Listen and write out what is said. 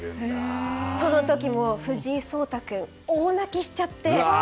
その時も藤井聡太君大泣きしちゃって。